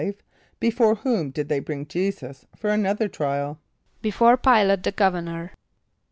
= Before whom did they bring J[=e]´[s+]us for another trial? =Before P[=i]´late the governor.